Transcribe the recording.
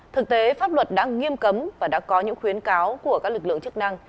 thực tế pháp luật đã nghiêm cấm và đã có những khuyến cáo của các lực lượng chức năng